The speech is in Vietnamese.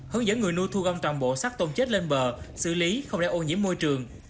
hướng dẫn người nuôi thu gông toàn bộ xác tôm chết lên bờ xử lý không đeo ô nhiễm môi trường